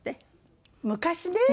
昔ね。